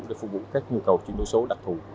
để phục vụ các nhu cầu chuyên đối số đặc thù